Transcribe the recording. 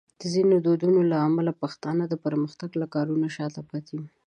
د ځینو دودونو له امله پښتانه د پرمختګ له کاروانه شاته پاتې دي.